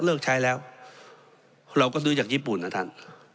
เลิกใช้แล้วเราก็ซื้อจากญี่ปุ่นนะท่าน